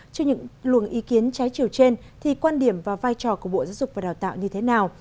trên những luồng ý kiến trái chiều trên thì quan điểm và vai trò của bộ giáo dục và đào tạo như thế nào